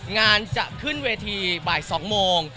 งานจะขึ้นเวทีบ่าย๒โมง